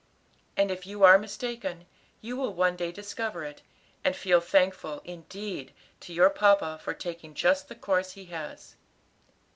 And if you are mistaken, you will one day discover it, and feel thankful, indeed, to your papa for taking just the course he has."